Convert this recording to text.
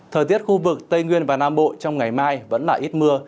thời tiết khu vực tây nguyên và nam bộ trong ngày mai vẫn là ít mưa